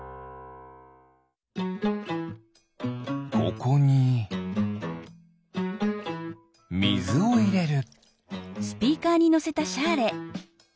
ここにみずをいれる。